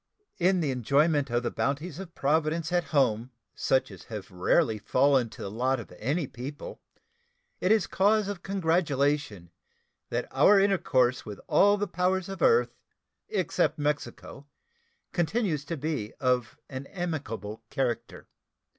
In the enjoyment of the bounties of Providence at home such as have rarely fallen to the lot of any people, it is cause of congratulation that our intercourse with all the powers of the earth except Mexico continues to be of an amicable character.